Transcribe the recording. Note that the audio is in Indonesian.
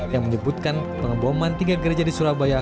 yang menyebutkan pengeboman tiga gereja di surabaya